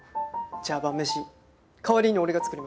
じゃあ晩飯代わりに俺が作ります。